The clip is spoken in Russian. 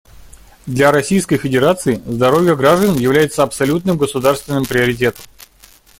Для Российской Федерации здоровье граждан является абсолютным государственным приоритетом.